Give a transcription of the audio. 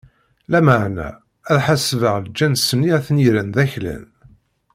Lameɛna, ad ḥasbeɣ lǧens-nni i ten-irran d aklan.